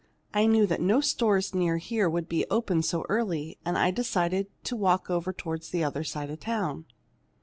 I knew that no stores near here would be open so early, and I decided to walk over toward the other side of town.